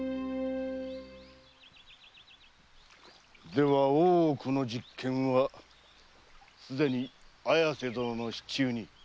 では大奥の実権はすでに綾瀬殿の手中に。